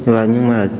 và nhưng mà